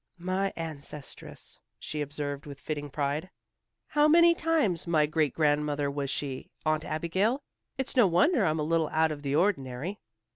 "My ancestress," she observed with fitting pride. "How many times my great grandmother was she, Aunt Abigail? It's no wonder I'm a little out of the ordinary."